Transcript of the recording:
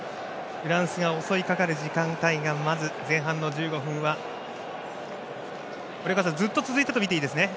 フランスが襲い掛かる時間帯がまず前半の１５分はずっと続いているとみていいですね。